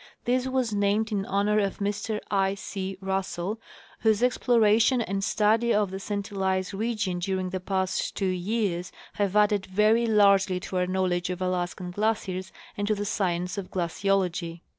This was named in honor of Mr I. C. Russell, whose exploration and study of the St Elias region during the past two years have added very largely to our knowledge of Alaskan glaciers and to the science of glaciology.